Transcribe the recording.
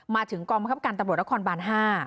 มาถึงกองบังคับการตำรวจนครบาน๕